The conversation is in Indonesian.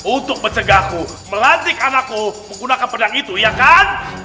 untuk mencegahku melantik anakku menggunakan pedang itu iya kan